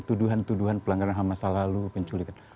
tuduhan tuduhan pelanggaran hamasa lalu penculikan